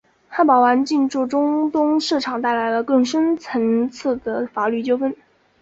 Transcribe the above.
汉堡王进驻中东市场带来了更深层次的法律纠纷。